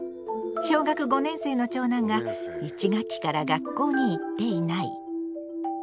小学５年生の長男が１学期から学校に行っていない。